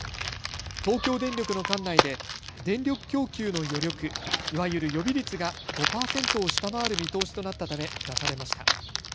東京電力の管内で電力供給の余力、いわゆる予備率が５％を下回る見通しとなったため出されました。